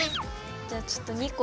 じゃあちょっと２個。